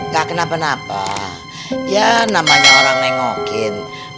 gak kenapa napa ya namanya orang yang mengokin